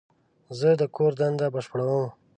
زه د کور دنده بشپړوم.